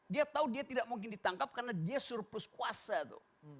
dia tahu dia tidak mungkin ditangkap karena dia surplus kuasa tuh